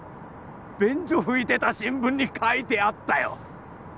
便所拭いてた新聞に書いてあったよ